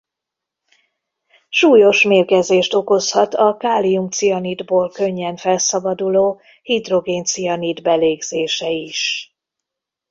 Súlyos mérgezést okozhat a kálium-cianidból könnyen felszabaduló hidrogén-cianid belégzése is.